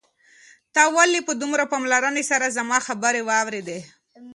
تا ولې په دومره پاملرنې سره زما خبرې واورېدې؟